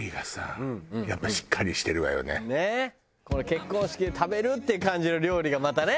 結婚式で食べるっていう感じの料理がまたね